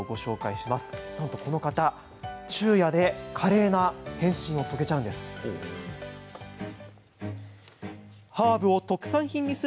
なんとこの方昼夜で華麗な変身を遂げちゃうんです。